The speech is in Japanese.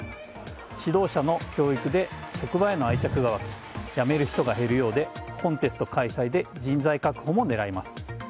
指導者の教育で職場への愛着が湧き辞める人が減るようでコンテスト開催で人材確保も狙います。